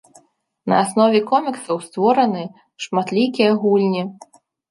На аснове коміксаў створаны шматлікія гульні.